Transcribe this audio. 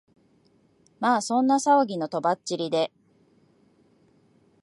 まあそんな騒ぎの飛ばっちりで、